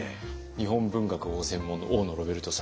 日本文学をご専門の大野ロベルトさん。